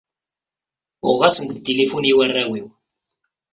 Uɣeɣ-asen-d tilifun i warraw-iw.